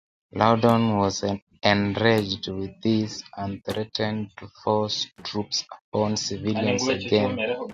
Loudon was enraged with this and threatened to force troops upon civilians again.